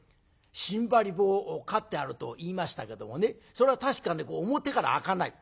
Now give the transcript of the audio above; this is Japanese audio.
しんばり棒をかってあると言いましたけどもねそれは確かね表から開かない。